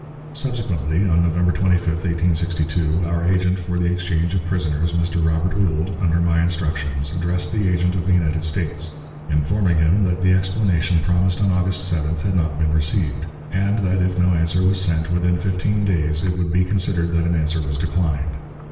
Subsequently, on November 25, 1862, our agent for the exchange of prisoners, Mr. Robert Ould, under my instructions, addressed the agent of the United States, informing him that the explanation promised on August 7th had not been received; and that, if no answer was sent within fifteen days, it would be considered that an answer was declined.